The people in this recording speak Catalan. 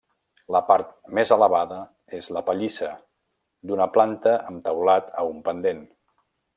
La part més elevada és la pallissa, d'una planta, amb teulat a un pendent.